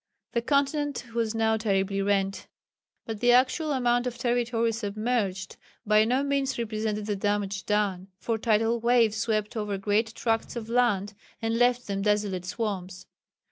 The continent was now terribly rent. But the actual amount of territory submerged by no means represented the damage done, for tidal waves swept over great tracts of land and left them desolate swamps.